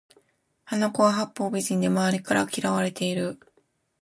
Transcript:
あの子は八方美人で周りから嫌われている